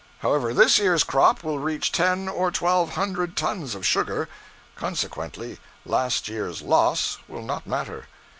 However, this year's crop will reach ten or twelve hundred tons of sugar, consequently last year's loss will not matter.